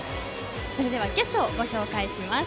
それではゲストをご紹介します。